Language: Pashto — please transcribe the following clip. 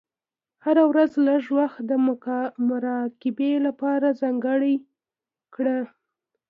هره ورځ لږ وخت د مراقبې لپاره ځانګړی کړه.